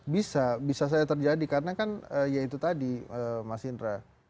bisa bisa saja terjadi karena kan ya itu tadi mas indra